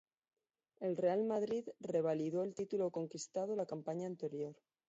El Real Madrid revalidó el título conquistado la campaña anterior.